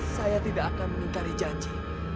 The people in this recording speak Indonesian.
saya tidak akan mengingkari janji